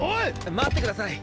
待ってください！